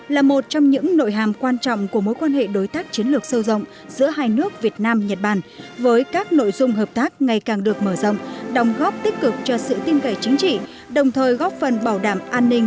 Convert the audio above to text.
là một trong những nội hàm quan trọng của mối quan hệ đối tác chiến lược sâu rộng giữa hai nước việt nam nhật bản với các nội dung hợp tác ngày càng được mở rộng đồng góp tích cực cho sự tin cậy chính trị